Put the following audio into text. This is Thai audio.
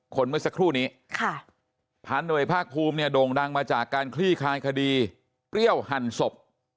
คนเมื่อสักครู่นี้พันตำรวจเอกภาคภูมิโด่งดังมาจากการคลี่คลายคดีเปรี้ยวหั่นศพ